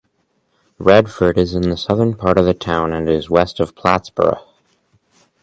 Redford is in the southern part of the town and is west of Plattsburgh.